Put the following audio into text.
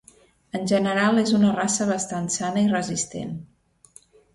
En general és una raça bastant sana i resistent.